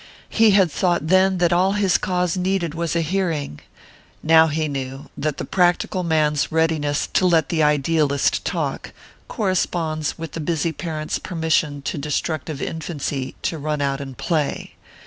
He had thought then that all his cause needed was a hearing; now he knew that the practical man's readiness to let the idealist talk corresponds with the busy parent's permission to destructive infancy to "run out and play."